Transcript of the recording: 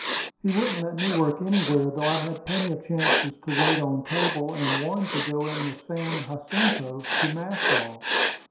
He wouldn't let me work anywhere, though I had plenty of chances to wait on table, and one to go in the San Jacinto to Nassau.